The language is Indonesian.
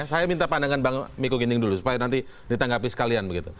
saya minta pandangan bang miko ginding dulu supaya nanti ditanggapi sekalian begitu